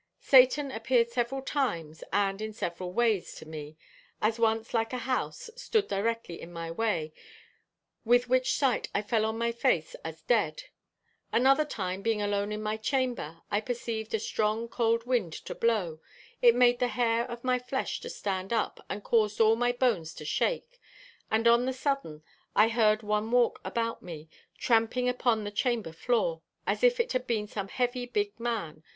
'Satan ... appeared several times, and in several wayes, to me: as once like a house, stood directly in my way, with which sight I fell on my face as dead.... Another time, being alone in my chamber ... I perceived a strong cold wind to blow ... it made the hair of my flesh to stand up, and caused all my bones to shake; and on the suddain, I heard one walk about me, tramping upon the chamber floor, as if it had been some heavie big man